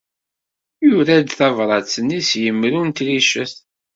Yura-d tabṛat-nni s yimru n tricet.